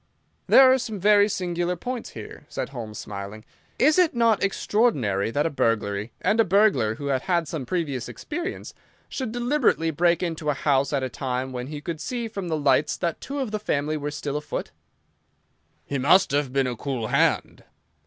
"There are some very singular points here," said Holmes, smiling. "Is it not extraordinary that a burglar—and a burglar who had had some previous experience—should deliberately break into a house at a time when he could see from the lights that two of the family were still afoot?" "He must have been a cool hand."